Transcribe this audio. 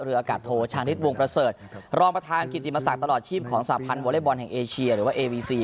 อากาศโทชานิดวงประเสริฐรองประธานกิติมศักดิ์ตลอดชีพของสาพันธ์วอเล็กบอลแห่งเอเชียหรือว่าเอวีซี